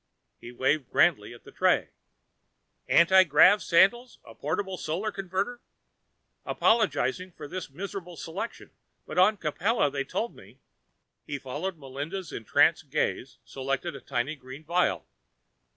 He waved grandly at the tray. "Anti grav sandals? A portable solar converter? Apologizing for this miserable selection, but on Capella they told me " He followed Melinda's entranced gaze, selected a tiny green vial.